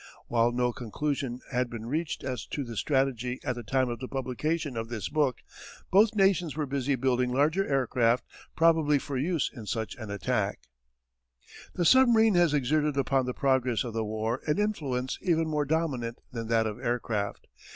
While no conclusion had been reached as to this strategy at the time of the publication of this book, both nations were busy building larger aircraft probably for use in such an attack. The submarine has exerted upon the progress of the war an influence even more dominant than that of aircraft.